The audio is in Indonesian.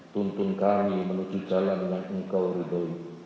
tuntun kami menuju jalan yang engkau ridhoi